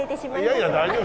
いやいや大丈夫。